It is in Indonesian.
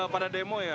pada demo ya